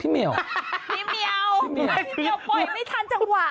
พี่เมียลปล่อยไม่ทันจังหวะเลย